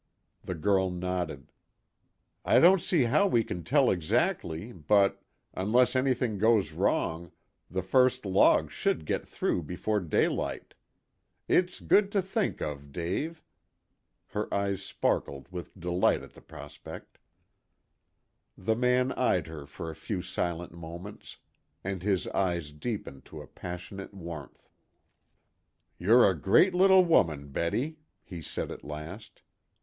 The girl nodded. "I don't see how we can tell exactly, but unless anything goes wrong the first logs should get through before daylight. It's good to think of, Dave." Her eyes sparkled with delight at the prospect. The man eyed her for a few silent moments, and his eyes deepened to a passionate warmth. "You're a great little woman, Betty," he said at last.